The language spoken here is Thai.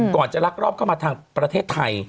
ก่อนจะลักลอบเข้ามาทางประเทศไทย